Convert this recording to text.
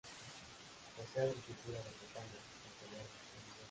Posee agricultura de secano, con cereales, olivos y viñas.